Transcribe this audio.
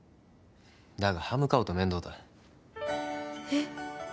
だが歯向かうと面倒だえっ？